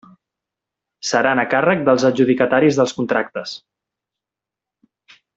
Seran a càrrec dels adjudicataris dels contractes.